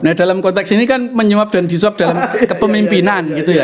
nah dalam konteks ini kan menyuap dan disop dalam kepemimpinan gitu ya